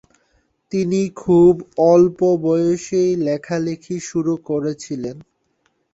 তিনি খুব অল্প বয়সেই লেখালেখি শুরু করেছিলেন।